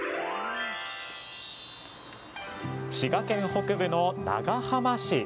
滋賀県北部の長浜市。